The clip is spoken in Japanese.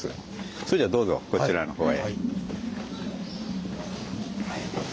それじゃどうぞこちらの方へ。